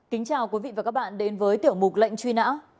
kính chào quý vị và các bạn đến với tiểu mục lệnh truy nã